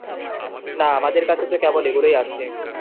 না, আমাদের কাছে তো কেবল এগুলোই আছে।